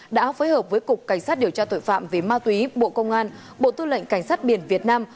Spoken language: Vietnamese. đã phối hợp với cục cảnh sát điều tra tội phạm về ma túy bộ công an bộ tư lệnh cảnh sát biển việt nam